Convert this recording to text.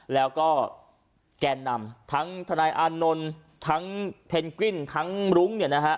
แล้วก็แกนนำทั้งธนายอานนนท์ทั้งเพนกวิ้นทั้งลุ้ง